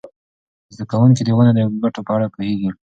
زده کوونکي د ونو د ګټو په اړه پوهیږي.